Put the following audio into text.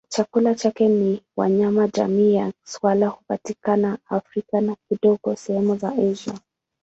Chakula chake ni wanyama jamii ya swala hupatikana Afrika na kidogo sehemu za Asia.